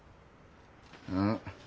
うん？